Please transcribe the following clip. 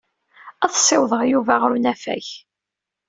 Ad ssiwḍeɣ Yuba ɣer unafag.